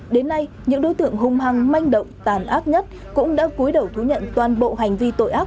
đến nay những đối tượng hung hăng manh động tàn ác nhất cũng đã cuối đầu thú nhận toàn bộ hành vi tội ác